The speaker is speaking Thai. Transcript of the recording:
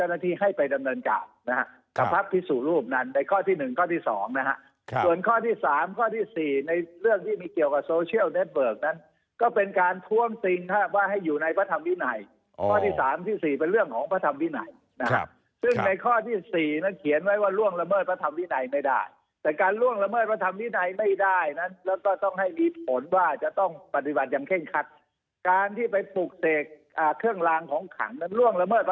ในรูปนั้นในข้อที่หนึ่งข้อที่สองนะฮะส่วนข้อที่สามข้อที่สี่ในเรื่องที่มีเกี่ยวกับโซเชียลเน็ตเบิร์กนั้นก็เป็นการทวงสิ่งถ้าว่าให้อยู่ในพระธรรมดินัยข้อที่สามที่สี่เป็นเรื่องของพระธรรมดินัยนะครับซึ่งในข้อที่สี่เขียนไว้ว่าล่วงละเมิดพระธรรมดินัยไม่ได้แต่การล่วงละเมิดพ